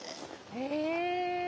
へえ。